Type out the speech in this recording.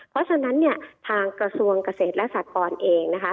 เพราะฉะนั้นเนี่ยทางกระทรวงเกษตรและสากรเองนะคะ